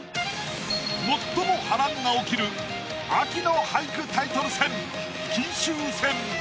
最も波乱が起きる秋の俳句タイトル戦金秋戦。